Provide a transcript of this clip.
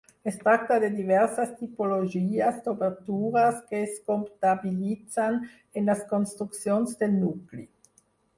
Es tracta de diverses tipologies d'obertures que es comptabilitzen en les construccions del nucli.